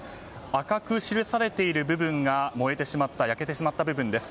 赤く記されている部分が焼けてしまった部分です。